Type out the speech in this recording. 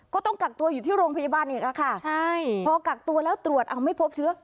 ก็ต้องกักตัวอยู่ที่โรงพยาบาลอีกอะค่ะใช่พอกักตัวแล้วตรวจเอาไม่พบเชื้อ